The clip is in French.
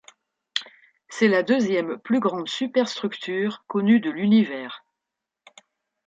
C'est la deuxième plus grande super-structure connue de l'univers.